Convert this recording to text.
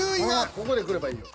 ここでくればいいよ。